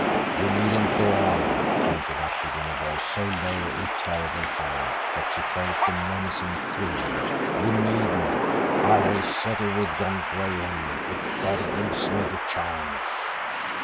"You needn't go on," he interrupted in a voice so low and terribly hard that she felt the menacing thrill of it. "You needn't. I will settle with John Graham, if God gives me the chance."